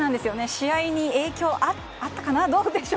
試合に影響あったのかな。